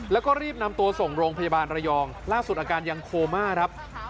แล้วก็รีบนำตัวส่งโรงพยาบาลระยองล่าสุดอาการยังโคม่าครับ